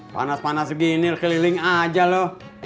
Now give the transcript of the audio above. panas panas begini keliling aja loh